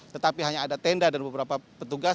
tetapi hanya ada tenda dan beberapa petugas